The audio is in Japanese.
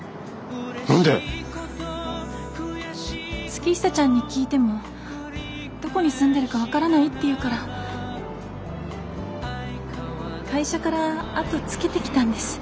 月下ちゃんに聞いても「どこに住んでるか分からない」って言うから会社から後つけてきたんです。